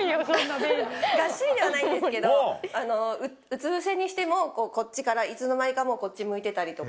がっしりではないんですけどうつぶせにしてもこっちからいつの間にかもうこっち向いてたりとか。